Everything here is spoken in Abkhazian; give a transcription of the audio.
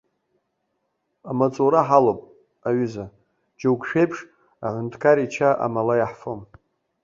Амаҵура ҳалоуп, аҩыза, џьоук шәеиԥш аҳәынҭқар ича амала иаҳфом!